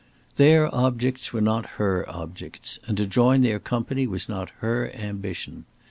Their objects were not her objects, and to join their company was not her ambition.